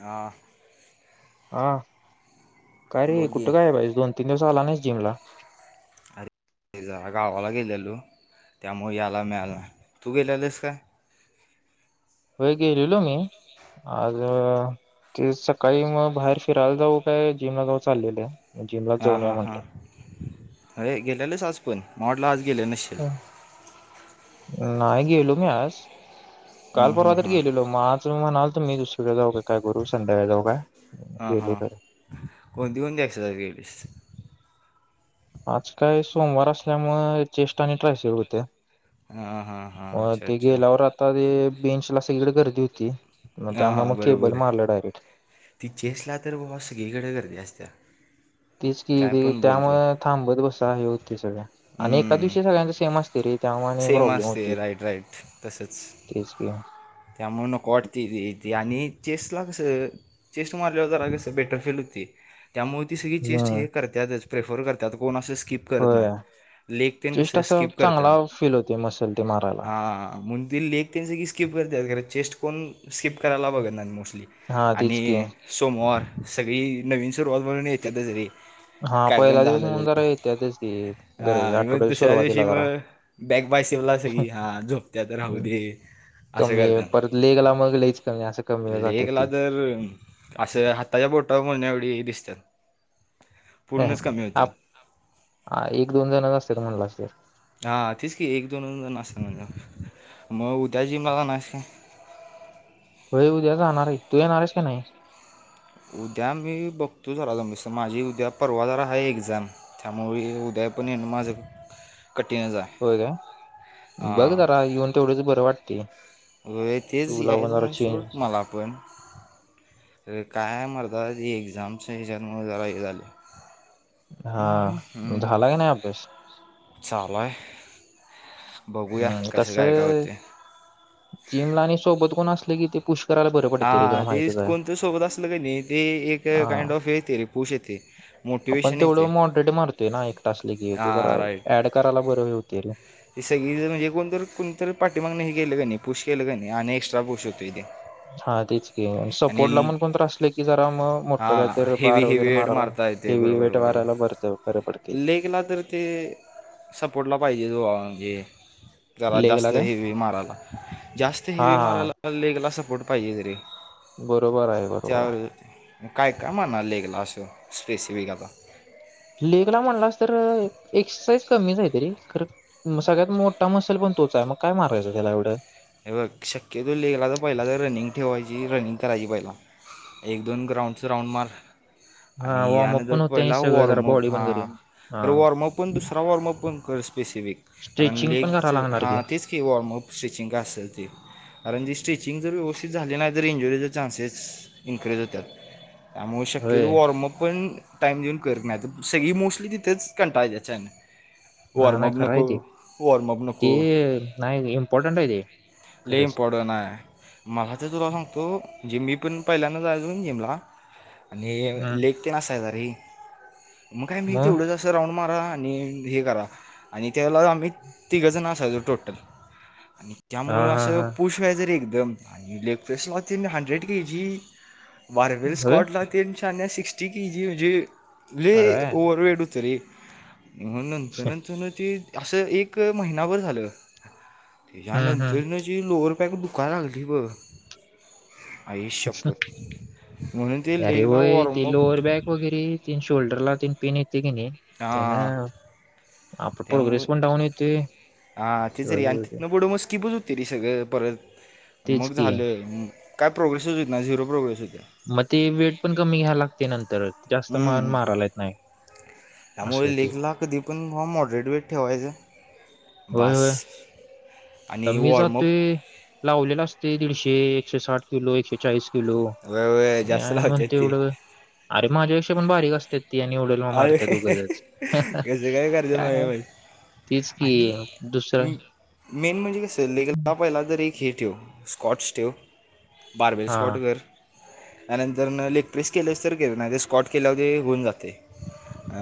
हा. हा काय रे बोल की कुठे काय बाज दोन तीन दिवस. झाला नाही जिमला. अरे जरा गावाला गेलेलो त्यामुळे यायला मिळाल ना तू गेलेलस का? वय गेलेलो मी. आज ते सकाळी मग बाहेर फिरायला जाऊ काय जिमला जाऊ चाललेलं आहे. जिमला हां जाऊन यावं हां हां म्हटलं. अरे गेलेलेच आज पण म वाटलं आज गेलेल नसशील. हं. नाही गेलो मी आज काल हां हां परवा तर हां गेलेलो मज म्हणाल तर मी दुसरीकडे जाऊ हो. काय करू संध्याकाळ जाऊ का हां गेलो हां तर. कोणती कोणती एक्सरसाइज केलीस आज काय सोमवार असल्यामुळे चेष्ट आणि ट्रयस होते्या. हां हां हां अ अच्छा ते अच्छा गेल्यावर आता ते बेंच ला सगळीकडे गर्दी होती. मग हां त्यामुळे हां मग केबल बरोबर आहे. मारलं डायरेक्ट. ती चेसला तर व सगळीकडे गर्दी असते. तेच की त्यामुळं थांबत बसा हे होते सगळ्या आणि एका दिवशी सगळ्यांच सेम असते रे. त्यामुळे सेम प्रॉब्लेम होते असते राईट राईट तसच तेच की त्यामुळे नको वाटत ते. ते आणि चेस ला कसं चेस्ट मारल्यावर जरा कसं बेटर फील होती. त्यामुळे ती सगळी चेस्ट हम्म हे करतातच प्रेफर करतात कोण असं स्कीप करत होय नाही लेग तेन चेस्ट कसं असा स्कीप चांगला करतात. फील होते मसल ते मारायला हा मुं त लेग त्यां सी स्किप करतात चेस्ट कोण स्किप करायला बघत नाही मोस्ट. हा आणि तेच की सोमवार सगळी नवीन सुरुवात बनून येते तर जरी. हा पहिला दिवस म्हणून जरा येते तेच. हा इव्हन दुसऱ्या दिवशी मग बॅग बाय शिवला सगी हा झोपत्या तर राहू दे. ह असे कमी करते परत लेगला मग लईच कमी असं कमी जातात लेकला ती तर असं हाताच्या फोटा म्हण [unintelligible] डे दिसतात पूर्णच कमी होतात एक दोन जणच असतात म्हणला अस. हा तीच की एक दोन ज असत म्हणजे मग उद्याची मला नाय. होय उद्या जाणार आहे तू येणारस का नाही? उद्या मी बघतो जरा जस माझी उद्या परवा जरा आहे एक्झाम त्यामुळे उद्या. त्या पण माझ ह होय काय बघ जरा येऊन तेवढच बरं वाटते. अ तेच तुला पण यायच जरा आहे चेंज शवट मला पण. काय मरतात ही एक्झाम्स हच्यामुळे जरा हे झाले. हा झाला का नाही अभ्यास? चालाय बघूया कसे कायकाय होतय. जिमलानी सोबत कोण असले कि ते पुष् हा ते कोणतं सोबत असलं का नाही ते एक हा काइंड ऑफ येते रे पूश येते. आपण मोटिवेशन येते तेवढं मॉडरेट मारतोय ना एक तासले गे हो तर हा ऍड करायला बर हे होते रे. इ सगळीजण ए कोणत कोणीतरी पाठीमाग केलं का नाही पुष केलं का नाही आणि एक्स्ट्रा पूश होतो इथे. हा तेच क आणि सपोर्टला ल- पण कोण आसले की जरा मग मोठं कायतर बार वगैरे माराला. ते बरोबर बरोबर लेकला तर ते सपोर्टला पाहिजे बाबा. लेगला जास्त काय हेवी माराय जास्त हा हेवी हा मारायला लेगला पाहिजेच रे बरोबर आहे बरोबर आहे. ग काय काय म्हणा लेगला असं स्पेसिफिक आता. लेग ला म्हणला तर एक्सरसाईज कमीच आहे तरी सगळ्यात मोठा मसल पण तोच आहे मग काय मारायचं त्याला एवढं. शक्यतो लेगला तर पहिला तर रनिंग ठेवायची रनिंग करायची पहिला. एक दोन ग्राउंडचं राऊंड मार. [inaudible] आणि वॉर्मअप यानंतर पण होते आणि पहिला सगळं जरा वॉर्मअप बॉडी पण हा करूया अरे हा वॉर्मअप पण दुसरा वॉर्मअप पण कर स्पेश.. व कारण स्ट्रेचिंग लेग पण करायला जर लागणार हा तेच की वॉर्मप स्टिचिंग.. असेल ते कारण ती स्ट्रिचिंग जर व्यवस्थित झाली नाही तर इंजुरीचे चान्सेस इन्क्रीज होतात. त्यामुळे शक्यतो होय वॉर्मअप पण टाइम देऊन करत नाही तर सगळी मोस्टली तिथेच कंटाळाळ त्याच्यान.. वर नाही नाही खरं मभनख आहे ते वर माभ नख. ते नाही इम्पॉर्टंट आहे ते ल खरंच इम्पॉर्टंट आहे मला ते तुला सांगतो.. म्हणजे मी पण पहिल्यांद जायचून जिमला आणि हम्म लेग ते नाायच.. ते मग काय मी तेवढंचसं राऊं.. मारा आणि हे करा आणि त्याला आम्ही तिघंजण स जो टोटल. आणि, हा त्यामुळं हा असं हा पुषवा आहे जरी एकदम आणि लेग पेस्ट वा तन हंड्रेड के जी.. बार्वेल होय स्कॉटलातेच्याान्या सिकस्टी के जी म्हणजे अरे ओवरवेट उतरी.. नंतर नंतर न ते असं एक महिनाभर झालं हम्म त्याच्यानंतर.. हम्म तरी माझी लोवरपॅक दुकं लागली बघ आईष शपत. अरे वय तेी लोअर बॅक वगैरे तीन शोल्डरला तीन पिन य.. ते क नाही त्यां ना.. त्यामु हा तेच रे सगळं आणि होते तिथनं बड मस्कीिपच होत. तरी सगळं परत तेच मग की झाले काय प्रोग्रेसच होती ना झिरो प्रोग्रेस होती. मग ते वेट पण कमी घ्याला लागते नंतर जास्त मान हम्म. मारायलाेत नाही. असं त्यामुळे होते लेखला कधी पण हा मॉडरेट वेट ठेवायचा. होय होय बस! तर मी जातोय लावलेला असते दीडशे एकशे साठ किलो एकशे चाळीस.. वय वय जास्त किलोय म्हणते लावतात ते एवढं अरे माझ्यापेक्षा पण बारीक असते. ती आणि डलवा अरे मारत उगजच कसं करतात काय! माहिती तेीच कि दुसरं.. आणि मेन म्हणजे कस लेला पहिला तर एक हे ठेव स्कॉटस ठेव. बारवीवी हा स्पॉटगर.. त्यानंतर लेग प्रेस केल्या तर के नाही ते स्कॉट केल्यावर होऊन जाते.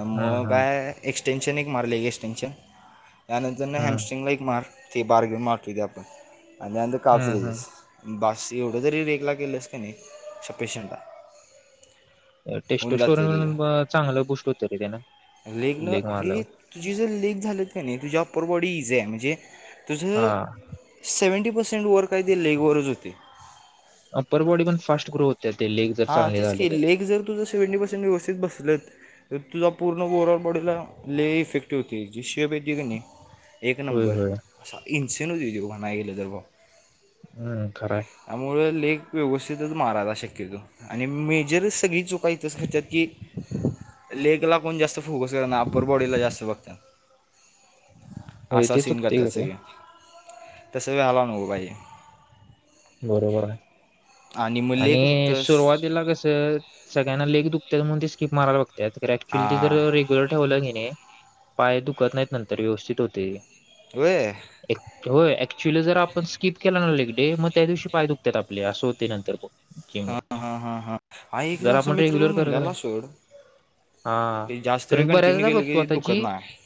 हम्म हम्म काय एक्स्टेनशन एक मारले एक एक्सटेनशन.. त्यानंतर हम्म हॅम्स्टिंगला एक मार ते बार्गेन मारत हो आपण आणि त्यानंतर हम्म कापसेजेस.. हम्म बस एवढं जरी रेकला गेलंस का नाही सफिशंट आहे. टेस्ट स्टोर चांगलं गोष्टट होत र दे ना. लेगन अरे तुझी जर लेग झालंत का नाही तुझ्या अप्पर बॉडी इजे आहे म्हणजे! हा तुझं सेवंटी पर्सेंट वर काय ते लेगवरच होते. अ पररवाडी पण फास्ट ग्रो होत. हा तीच केली एक जर तुझं सेव्हं्टी पर्सेंट व्यवस्थित बसल.. तर तुझा पूर्ण ओववरल बॉडीला ले इफेक्टिव्ह होतेची शेप येत की नाही.. एक होय नंबर होय असा इंचेनच व्हिडिओ घाणा गेला तरर भा.. हम्म खरंय. व्यवस्थितच मारायला शक्यतो आणि मेजर सगळी चुका इथच करतात की! लेगला कोण जास्त फोकस कर ना अप्पर बॉडीला जास्त बघत. होय असा ते सीन चुकते करत स खरे कळी तसं वळाला अ नभो बाज.. बरोबर आहे मग लेख फक्त आणि सुरुवात! स- त्याला कसं सगळ्यांना लेग दुखतात म्हणून ते स्किप मारयला लागत. त्यात ऍक्च्युअली ते ज हा रेग्युलर ठेवलं नाहीे नाही पाय दुखत नाहीत नंतर व्यवस्थित होते. होे. होय ऍक्च्युली जर आपण स्किप केला ना डे मग त्या दिवशी पाय दुखतात.. आपले असं होते नंतर प.. मुखिमला.. ह एकदा अस मित्र कोण म्हणलेला सोड हा ते जास्त वेळ कारण कंटिन्यू बऱ्याचदा केलं बघतो की आता जी दुखत नाही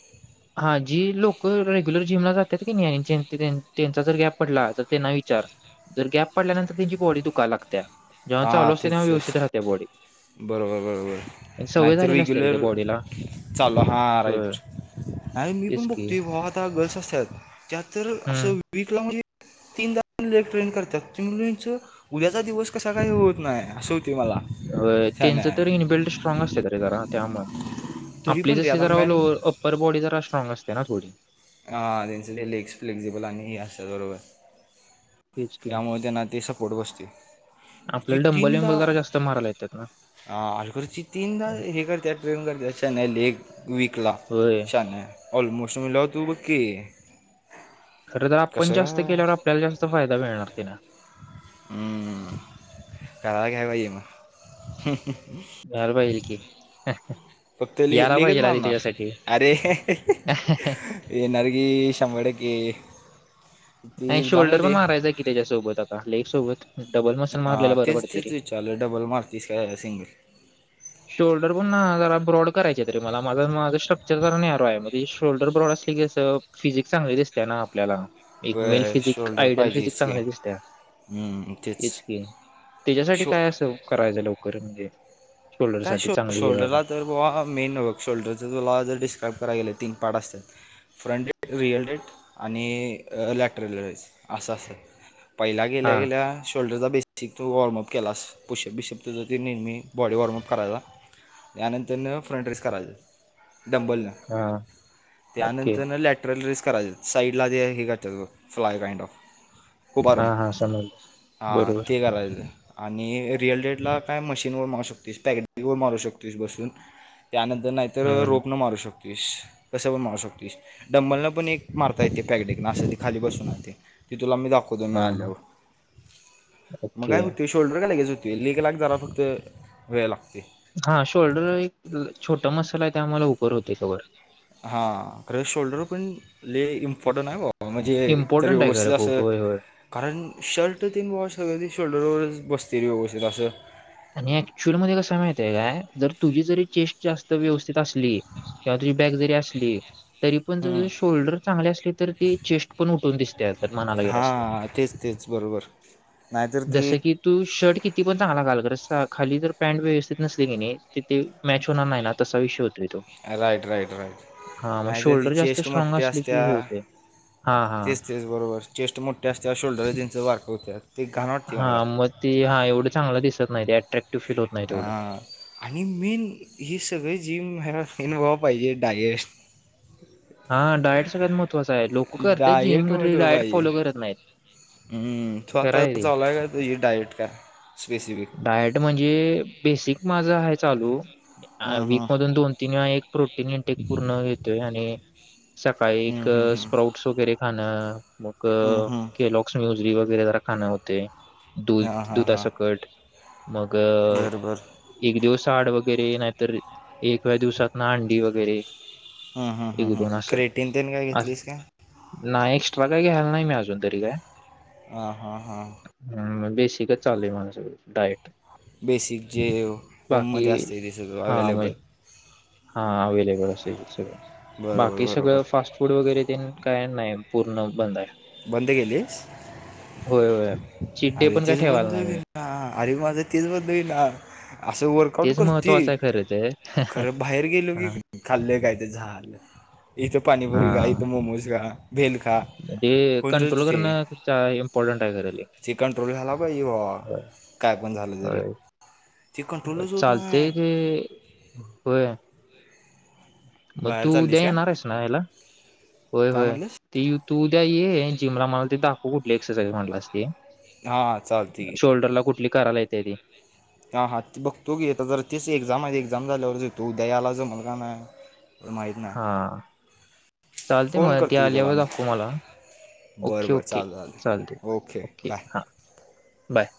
हां जी लोकं रेगुलर जिमला त की नाही त्यांचा जर गॅप पडला तर त्यांना विचार जर गॅप पडल्यानंतर त्यांची बॉडी दुखाय लागत्या जेव्हा चालू असते तेव्हा व्यवस्थित राहते बॉडी आणि बरोबर-बरोबर सवय नाहीतर झालेली असते रे रेग्युलर त्या बॉडीला चालू हा होय. राईट आणि मी तेच पण की बघतोय भावा आता गर्ल्स असतात त्यात तर हम्म असं वीकला म्हणजे तीनदाले ट्रेन करतातच उद्याचा दिवस कसा काही होत नाही असं मला हो सांगा त्यांचं तर इनबिल््ट स्ट्रॉग असते त रे घरात. त्यामुळ तरी आपली पण रे जशी आता जरा लो मॅन अप्पर बॉडी जरा स्ट्रॉग असते ना थोडी. हा त्यांचं लेग्स फ्लेक्झिबल आणि हे असं बरोबर. तेच की त्यामुळे त्यांना ते सपोर्ट बसते ती आपल्याला डंबल तीनदा विंबल जरा जास्त मारायला येतात ना हा अलकची तीनदा हे करते ट्रेण करते नाही लेग वक ला होय शान्या ऑलमोस्ट म्हणल्यावर तु बघ की खर तरर आपण कसं जास्त का केल्यावर आपल्याला जास्त फायदा [inaudible] मिळणार तिला हम्म का, [unintelligible] कराय पाहिजे म, करायला पाहिजेल की, फक्त ले यायला लेगच पाहिजे आधी मारणार त्याच्यासाठी अरे, येणार की शंभर टक्के ती नाही एक्झाम शोल्डर पण होते मारायचा आहे कि त्याच्यासोबत आता लेग सोबत डबल मसल हा मारलेला बरं तेच पडते तेच रे विचारलं डबल मारतयस काय सिंगल शोल्डर पण ना जरा ब्रॉड करायचे तरी मला माझा माझं स्ट्रक्चर जरा न्यॅरो आहे म शोल्डर ब्रॉड कस फिजिक्स चांगली दिसते ना आपल्याला एक मेल होय फिजिक शोल्डर आयडिल फिजिक पाहिजेच की चांगल्या हम्म, तेच दिसत्याच की त्याच्यासाठी शो काय असं करायचं लवकर म्हणजे शोल्डर काय साठी चांगली हे व्हायला शोल्डरला तर भावा मेन शोल्डरच तुला जर डिस्क्राईब करायला गेल तीन, पार्ट असत्यात, फ्रंट डेट रिअल डेट आणि लॅटरल रेसअसं असं, पहिला हा गेल्या गेल्या शोल्डरचा बेसिक तू वॉर्मअप केलास पोशप बिशप तुझं ती निेमी बॉडी वॉर्मअप करायला यानंतरन फ्रंट रेस् करायज डंबलनं हा ओके त्यानंतरन लॅटरल रेस् करायच साईडला जे हे करचं फ्लाय काइंड ऑफ हा उभारून हा समजलं हा बरोबर ते करायचं आणि रिअल डेटला, काय मशीनवर मारू शकतेस पॅकेटवर मारू शकतोस बसून त्यानंतर नाहीतर हम्म रोपनं मारू शकतो. कसं पण मारू शकतस डंबलला पण एक मारता येते पॅकटेकन असं ते खाली बसूनते तुला मी दाखवतो मी हा आल्यावर मग काय ओके होतय शोल्डर काय लगेच हो तु लीक लाग जरा फक्त वेळ लागतो. हा शोल्डर एक छोटा मसाला आहे त्या आम्हाला उपर होते कव्हर हा खरं शोल्डर पण लय इम्पॉर्टनट आहे भावा म्हणजे तर इम्पॉर्टंट आहे व्यवस्थित खरं खूप असं होय होय कारण शर्ट तीन वॉच सगळ्या शोल्डर र वरच बस्तय व्यवस्थित असं आणि ऍक्च्युअल मध्ये कस माहतय काय जर तुझी जरी चेस्ट जास्त व्यवस्थित असली किंवा तुझी बॅक जरी असली. तरी पण जर शोल्डर चांगले असले तर ते चेस्ट पण उठून दिसते तर म्हणाला गेल असत हां तेच बरोबर, नाहीतर ती जसं कि तू शर्ट किती पण चांगला घाल खरस खाली तरर पॅट व्यवस्थित नसले की नाही तिथे मॅच होणार नाही ना तसा विषय होत राईट राईट राईट मग आणि त्या ती शोल्डर जास्त चेस्ट स्ट्रॉंग मोठठी असले की असत्या, हे होते हा हा तेच तेच बरोबर चेस्ट मोठे असते शोल्डर त्यांच वारक होत. हा मग ते हा एवढं चांगलं दिसत नाही ते अट्रॅक्ट. हा आणि मेन ही सगळी जीम इनवॉव पाहिजे डायेस्ट हा डाएट सगळ्यात महत्त्वाचा आहे लोक करतात जिम डाईटो भेत डाएट बाई. फॉलो करत [unintelligible] नाहीत हू तू खरं आता आहे ते चावलाय का तुझी डायट का स्पेसिफिक डायट म्हणजे बेसिक माझा आहे चालू हां वीक मधून दोन, तीन, वेळा एक प्रोटीन इंटेक पूर्ण घेतोय आणि सकाळी स्प्राउट्स वगैरे खाणं, मग हां केलॉक्स्य म्यु री वगैरे जरा खाणं होतय, दूध हां हां दुधाासकट मग बरोबर एक दिवस थाड वगैरे, नाहीतर एकव्या दिवसात ना अंडी वगैरे ह ह एक ह दोन असं क्रेटिन तेन काय असं. घेतलीस का नाही एक्स्ट्रा काय घ्यायला नाही, मी अजून तरी काय ह हा हा. बेसिकच चाललय माझं डाईट बेसिक जे होममध्ये असते ते संगळ हा म अवेलेबल हा अवेलेबल असेल सगळं बरोबर बाकी बरोबर सगळं फास्ट फूड वगैरे ते काय नाही पूर्ण बंद आहे बंद केलीस होय, चीट डे अरे पण काय तेच ठेवायला बंद नाही होईन मी ना अरे माझं तेच बंद होईन ना. असं वर्कआउट तेच करती महत्त्वाचं आहे खरं ते खरं बाहेर र गेलो की हा खाल्ल का इथं झालं, इथं पाणीपुरी खा, हा इथं मोमोज खा. भेल खा. ते कंट्रोल करणं इम्पॉर्टंट आहे खरं लय ते कंट्रोल झाला पाहिजे बॉ. काय पण झालं जरी. चालते ते होय. म तू बाहेर उद्या चाललीस काय येणार आहेस ना याला, होय, काय होय, म्हणलंस ती तू उद्या ये. जिमला मला ते दाखवू कुठली एक्सरसाइज म्हटलास ती, हां चालते की शोल्डरला कुठली करायला. येते ती हा हा ती बघतो की आता जरं तेसी एक्झाम माझी एक्झाम तू उद्या यायला जमल का नाय, माहित नाय. हा चालते मला, ते आल्यावर मी दाखू मला. बरं ओके, बरं ओके चालेल चालते चालेल ओके, बाय हा बाय